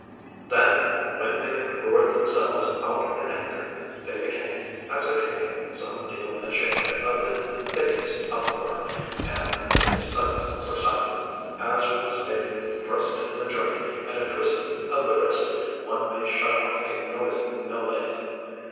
Then when they had roared themselves out in anger, they became, as I take it, some deal ashamed of the hideous uproar, and of a sudden were silent—as with a stave thrust in the joint and a twist of the wrist one may shut off a noisy mill lade.